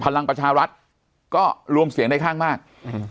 พลังประชารัฐก็รวมเสียงได้ข้างมากอืม